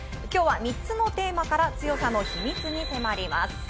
今日は３つのテーマから強さの秘密に迫ります。